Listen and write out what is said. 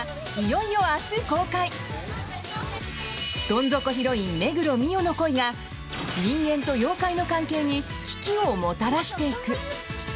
どん底ヒロイン・目黒澪の恋が人間と妖怪の関係に危機をもたらしていく。